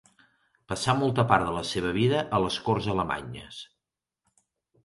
Passà molta part de la seva vida a les corts alemanyes.